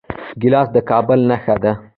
ګیلاس د کابل نښه ده.